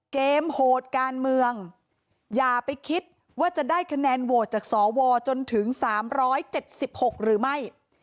เกมโหดการเมืองอย่าไปคิดว่าจะได้คะแนนโหดจากสวจนถึงสามร้อยเจ็ดสิบหกหรือไม่